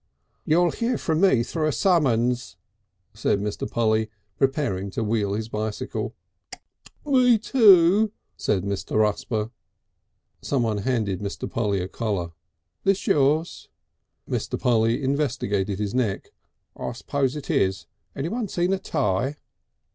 "You'll hear of me through a summons," said Mr. Polly, preparing to wheel his bicycle. "(Kik) Me too," said Mr. Rusper. Someone handed Mr. Polly a collar. "This yours?" Mr. Polly investigated his neck. "I suppose it is. Anyone seen a tie?"